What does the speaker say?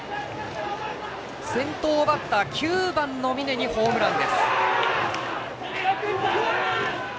先頭バッター９番の峯にホームラン。